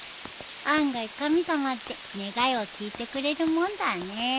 案外神様って願いを聞いてくれるもんだね。